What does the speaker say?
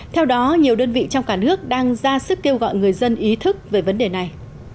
theo đó nhiều đơn vị trong cả nước đang ra sức kêu gọi người dân ý thức về vấn đề này